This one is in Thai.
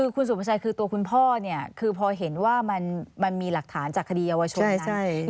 คุณสุภาชัยคือตัวคุณพ่อเนี่ยคือพอเห็นว่ามันมีหลักฐานจากคดีเยาวชนนะ